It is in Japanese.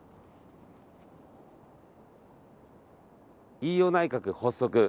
飯尾内閣発足。